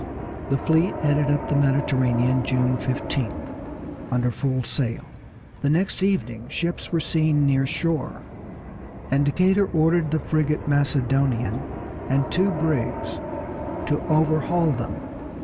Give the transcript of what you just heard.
The fleet headed up the Mediterranean June 15th, under full sail. The next evening ships were seen near shore, and Decatur ordered the frigate Macedonian and two brigs to overhaul them.